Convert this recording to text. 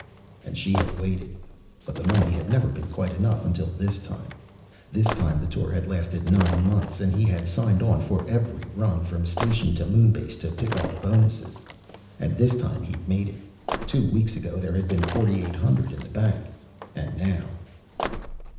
_ And she had waited, but the money had never been quite enough until this time. This time the tour had lasted nine months, and he had signed on for every run from station to moon base to pick up the bonuses. And this time he'd made it. Two weeks ago, there had been forty eight hundred in the bank. And now